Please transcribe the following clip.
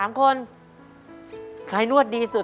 สวัสดีครับน้องเล่จากจังหวัดพิจิตรครับ